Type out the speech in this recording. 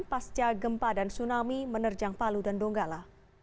pasca gempa dan tsunami menerjang palu dan donggala